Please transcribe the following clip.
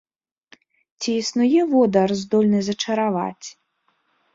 Ці існуе водар, здольны зачараваць?